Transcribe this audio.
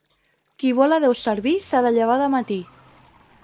Qui vol a Déu servir s'ha de llevar de matí.